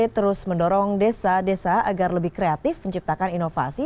terus mendorong desa desa agar lebih kreatif menciptakan inovasi